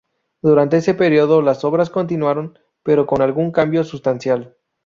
Durante ese periodo las obras continuaron, pero con algún cambio sustancial.